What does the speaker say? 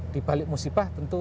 di balik musibah tentu